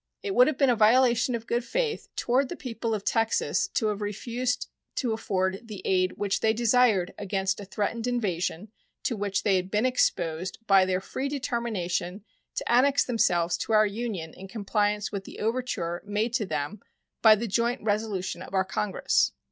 It would have been a violation of good faith toward the people of Texas to have refused to afford the aid which they desired against a threatened invasion to which they had been exposed by their free determination to annex themselves to our Union in compliance with the overture made to them by the joint resolution of our Congress.